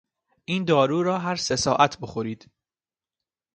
این دارو را هر سه ساعت بخورید.